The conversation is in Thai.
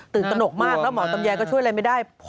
ตนกมากแล้วหมอตำแยก็ช่วยอะไรไม่ได้